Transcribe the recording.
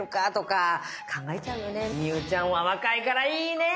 望結ちゃんは若いからいいね。